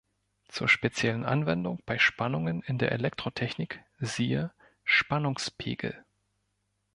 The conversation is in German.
Zur speziellen Anwendung bei Spannungen in der Elektrotechnik siehe Spannungspegel.